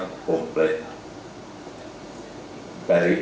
ini juga bagi saya